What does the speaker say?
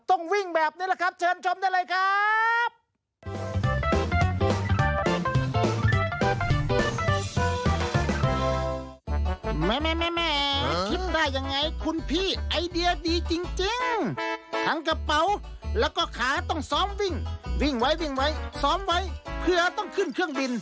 ต้องวิ่งแบบนี้แหละครับ